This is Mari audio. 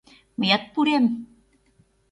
— Мыят пурем...